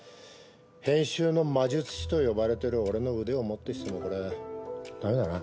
編集の魔術師と呼ばれてる俺の腕をもってしてもこれ駄目だな。